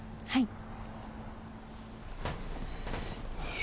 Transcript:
はい。